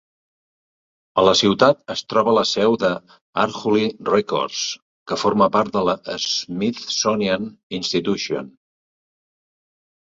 A la ciutat es troba la seu de Arhoolie Records, que forma part de la Smithsonian Institution.